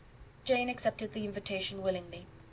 Jane accepted the invitation willingly.